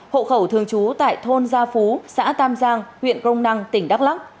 hộ khẩu thường trú tại thôn gia phú xã tam giang huyện crong năng tỉnh đắk lắc